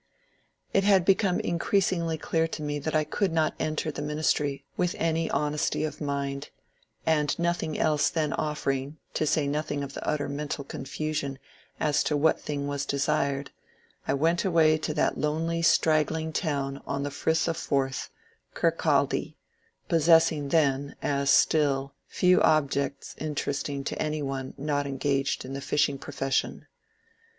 It had become increasingly clear to me that I could not enter the ministiy with any honesty of mind ; and nothing else then offering, to say nothing of the utter mental confusion as to what thing was desired, I went away to that lonely straggling town on the Frith of Forth, Kirkcaldy, possessing then, as still, few objects interesting to any one not engaged in the fishing profession.